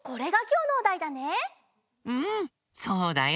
うんそうだよ。